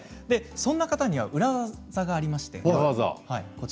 そんな方には裏技がありまして。